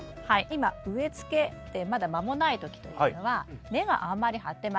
今植えつけてまだ間もない時というのは根があんまり張ってません。